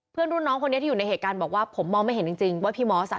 รุ่นน้องคนนี้ที่อยู่ในเหตุการณ์บอกว่าผมมองไม่เห็นจริงว่าพี่มอสอ่ะ